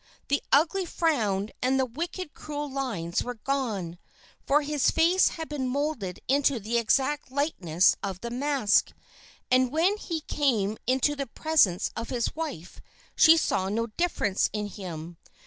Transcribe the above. The ugly frown and the wicked, cruel lines were gone, for his face had been molded into the exact likeness of the mask; and when he came into the presence of his wife she saw no difference in him.